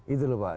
itu lho pak